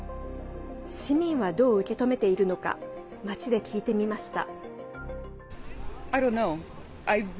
市民は、どう受け止めているのか街で聞いてみました。